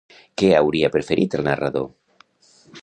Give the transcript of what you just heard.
Què hauria preferit el narrador?